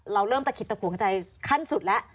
เราเริ่มตะขิดตะขวงใจขั้นสุดแล้ว